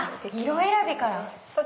色選びから！